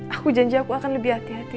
aku janji aku akan lebih hati hati